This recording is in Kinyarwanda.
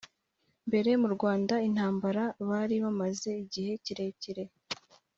mbere mu Rwanda Intambara bari bamaze igihe kirekire